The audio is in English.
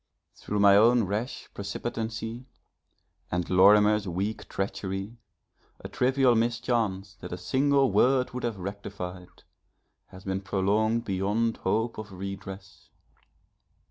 Through my own rash precipitancy and Lorimer's weak treachery, a trivial mischance that a single word would have rectified, has been prolonged beyond hope of redress.